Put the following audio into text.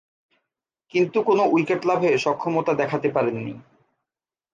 কিন্তু কোন উইকেট লাভে সক্ষমতা দেখাতে পারেননি।